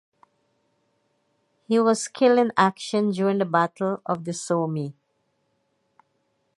He was killed in action during the Battle of the Somme.